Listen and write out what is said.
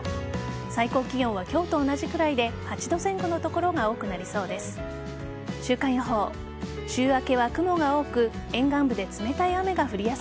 最高気温は今日と同じくらいで８度前後の所が多くなりそうです。